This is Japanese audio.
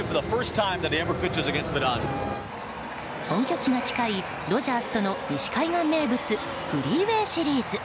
本拠地が近いドジャースとの西海岸名物フリーウェー・シリーズ。